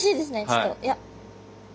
ちょっといや。